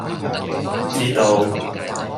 知道